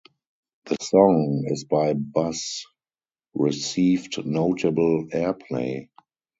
The song, Is by Bus received notable airplay.